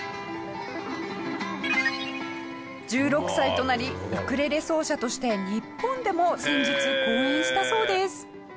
１６歳となりウクレレ奏者として日本でも先日公演したそうです。